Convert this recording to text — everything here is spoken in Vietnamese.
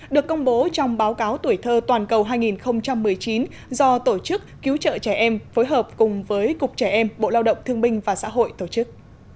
được công bố trong báo cáo tuổi thơ toàn cầu hai nghìn một mươi chín do tổ chức cứu trợ trẻ em phối hợp cùng với cục trẻ em bộ lao động thương minh và xã hội tổ chức